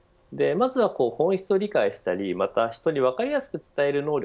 本質を理解したり人には分かりやすく伝える能力